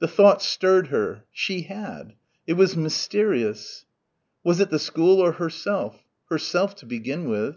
The thought stirred her. She had. It was mysterious. Was it the school or herself? Herself to begin with.